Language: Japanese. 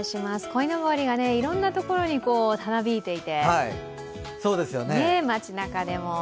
こいのぼりがいろんなところにたなびいていて街なかでも。